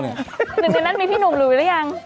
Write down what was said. นึกงานนั้นมีพี่หนุ่มหลุยแล้วยัง